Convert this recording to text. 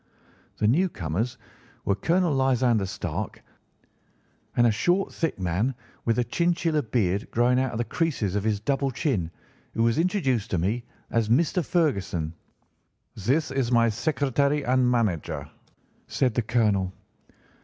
"The newcomers were Colonel Lysander Stark and a short thick man with a chinchilla beard growing out of the creases of his double chin, who was introduced to me as Mr. Ferguson. "'This is my secretary and manager,' said the colonel.